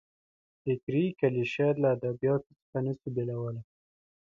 فکري کلیشه له ادبیاتو څخه نه سو بېلولای.